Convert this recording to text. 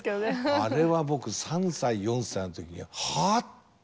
あれは僕３歳４歳の時にはっ⁉と。